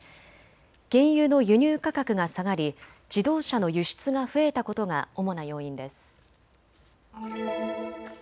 原油の輸入価格が下がり自動車の輸出が増えたことが主な要因です。